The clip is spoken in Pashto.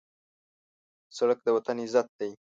سړک د وطن عزت دی.